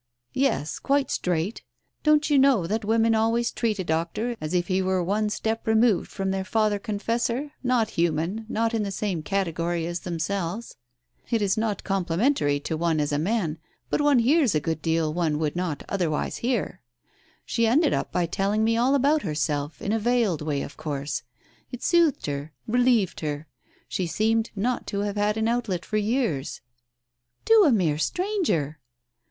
"Yes, quite straight. Don't you know that women always treat a doctor as if he were one step removed from their father confessor — not human — not in the same category as themselves ? It is not complimentary to one as a man, but one hears a good deal one would not other wise hear. She ended by telling me all about herself — in a veiled way, of course. It soothed her — relieved her — §he seemed not to have had an outlet for years !" "To a mere stranger